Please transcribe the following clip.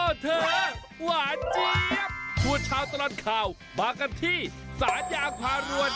เธอหวานเจี๊ยบชวนชาวตลอดข่าวมากันที่สารยางพารวน